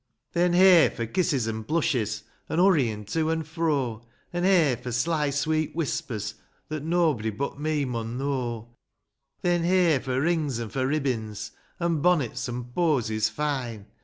Then, hey for kisses an' blushes, An' hurryin' to an' fro; An' hey for sly, sweet whispers. That nob dy but me mun know YESTERNEET. 65 Then, hey for rings, an' for ribbins, An' bonnets, an' posies fine